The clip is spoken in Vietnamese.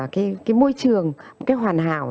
cái môi trường hoàn hảo